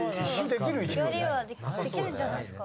できるんじゃないですか。